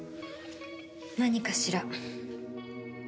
何かしら？